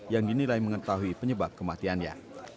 yang dinilai mengetahui penyebab kematiannya